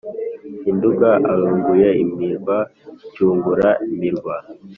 induga ayunguye imirwa cyungura-mirwa.